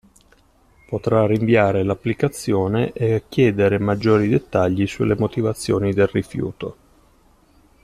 Potrà rinviare l'applicazione e chiedere maggiori dettagli sulle motivazioni del rifiuto.